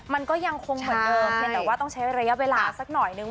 มันก็ยังคงเหมือนเดิมเพียงแต่ว่าต้องใช้ระยะเวลาสักหน่อยนึง